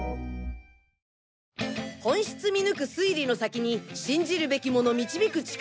本質見抜く推理の先に信じるべきもの導く力